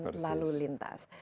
kecelakaan lalu lintas